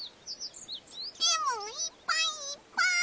レモンいっぱいいっぱい！